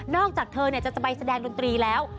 อกจากเธอจะไปแสดงดนตรีแล้ว